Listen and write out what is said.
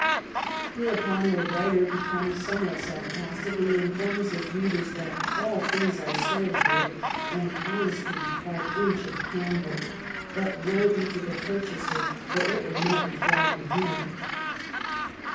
Hereupon the writer becomes some what sarcastic, and he informs his readers that "all things are sold here, and Honesty by Inch of Candle; but woe be to the Purchaser, for it will never thrive with him."